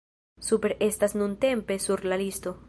Super estas nuntempe sur la listo.